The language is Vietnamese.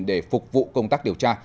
để phục vụ công tác điều tra